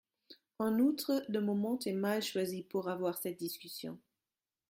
En outre, le moment est mal choisi pour avoir cette discussion.